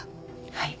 はい。